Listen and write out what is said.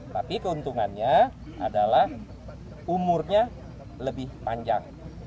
tapi keuntungannya adalah umurnya lebih panjang